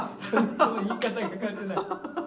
その言い方が変わってない。